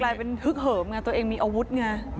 กลายเป็นฮึกเหิมไงตัวเองมีอาวุธไง